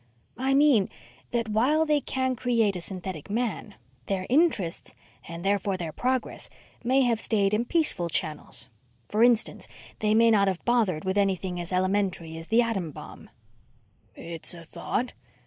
"I mean that while they can create a synthetic man, their interests, and therefore their progress, may have stayed in peaceful channels. For instance, they may not have bothered with anything as elementary as the atom bomb." "It's a thought."